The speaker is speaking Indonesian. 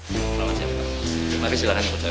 selamat siang pak silahkan ikut saya pak